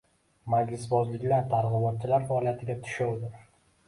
Majlisbozliklar targ‘ibotchilar faoliyatiga tushovdir.